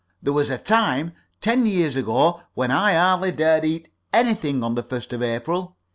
There was a time, ten years ago, when I hardly dared eat anything on the first of April.